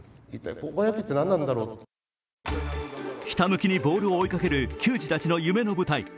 ひたむきにボールを追いかける球児たちの夢の舞台。